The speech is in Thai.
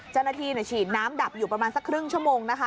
เจ้าหน้าที่ฉีดน้ำดับอยู่ประมาณสักครึ่งชั่วโมงนะคะ